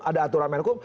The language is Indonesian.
ada aturan men hukum